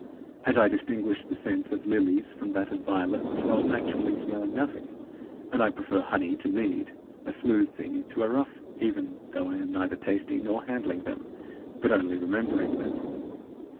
And I distinguish the scent of lilies from that of violets while actually smelling nothing; and I prefer honey to mead, a smooth thing to a rough, even though I am neither tasting nor handling them, but only remembering them.